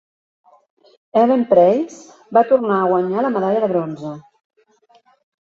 Ellen Preis va tornar a guanyar la medalla de bronze.